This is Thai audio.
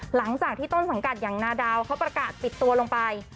หลังจากที่ต้นสังกัดอย่างนาดาวเขาประกาศปิดตัวลงไป